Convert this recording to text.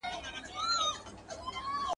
بيرته صميمي فضاء را منځ ته سي.